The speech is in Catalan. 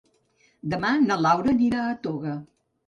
Demà na Laura anirà a Toga.